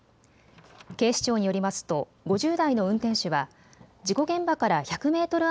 警視庁によりますと５０代の運転手は事故現場から１００メートル